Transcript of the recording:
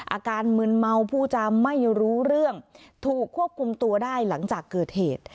อาการมึนเมาผู้จำไม่รู้เรื่องถูกควบคุมตัวได้หลังจากเกิดเหตุ